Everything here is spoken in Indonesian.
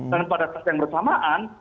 dan pada saat yang bersamaan